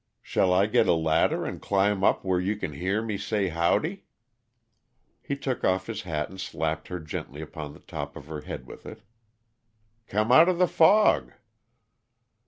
Shall I get a ladder and climb up where you can hear me say howdy?" He took off his hat and slapped her gently upon the top of her head with it. "Come out of the fog!"